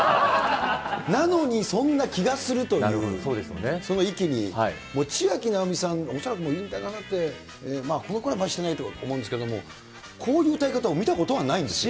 なのに、そんな気がするという、その域に、ちあきなおみさん、おそらく引退なさって、このころはしてないと思うんですけれども、こういう歌い方を見たことはないんですよ。